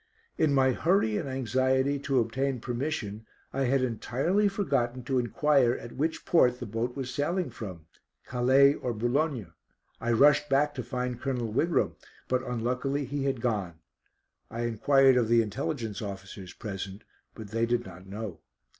In my hurry and anxiety to obtain permission I had entirely forgotten to enquire at which port the boat was sailing from Calais or Boulogne. I rushed back to find Colonel Wigram, but unluckily he had gone. I enquired of the Intelligence officers present, but they did not know.